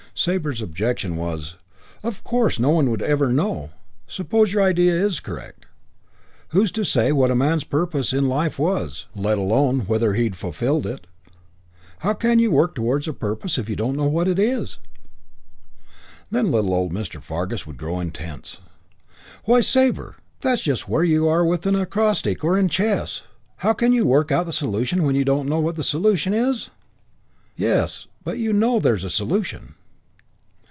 Sabre's objection was, "Of course no one would ever know. Suppose your idea's correct, who's to say what a man's purpose in life was, let alone whether he'd fulfilled it? How can you work towards a purpose if you don't know what it is?" Then little old Mr. Fargus would grow intense. "Why, Sabre, that's just where you are with an acrostic or in chess. How can you work out the solution when you don't know what the solution is?" "Yes, but you know there is a solution."